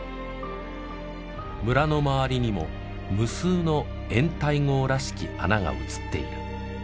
村の周りにも無数の掩体壕らしき穴が写っている。